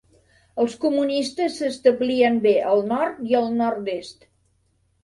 Els comunistes s'establien bé al nord i al nord-est.